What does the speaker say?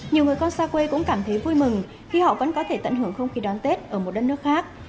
nhiều người con xa quê cũng cảm thấy vui mừng khi họ vẫn có thể tận hưởng không khí đón tết ở một đất nước khác